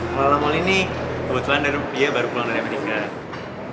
malolala oli ini kebetulan dia baru pulang dari amerika